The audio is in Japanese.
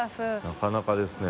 なかなかですね。